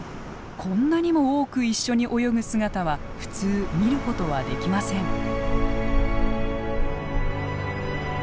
こんなにも多く一緒に泳ぐ姿は普通見ることはできません。